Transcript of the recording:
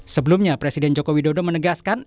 sebelumnya presiden joko widodo menegaskan